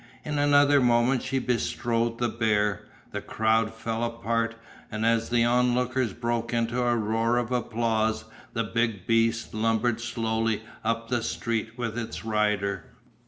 In another moment she bestrode the bear, the crowd fell apart, and as the onlookers broke into a roar of applause the big beast lumbered slowly up the street with its rider.